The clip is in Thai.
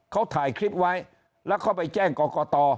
เขาถ่ายคลิปไว้แล้วเขาไปแจ้งกรกต